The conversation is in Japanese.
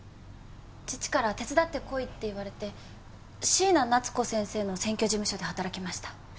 父から手伝ってこいって言われて椎名七津子先生の選挙事務所で働きました。